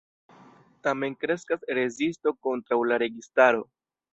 Tamen kreskas rezisto kontraŭ la registaro.